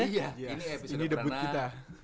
iya ini episode perdana